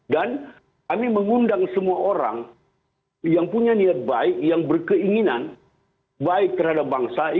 dan kami mengundang semua orang yang punya niat baik yang berkeinginan baik terhadap bangsa